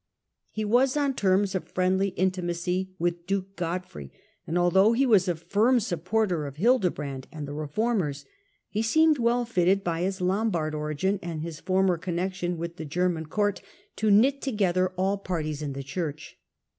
He was on terms of friendly intimacy with duke Godfrey, and although he was a firm supporter of Hildebrand and the reformers, he seemed well fitted by his Lombard origin and his former connexion with the German court, to knit together all parties in the Church.